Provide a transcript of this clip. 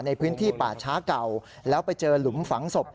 ในพื้นที่ป่าช้าเก่าแล้วไปเจอหลุมฝังศพ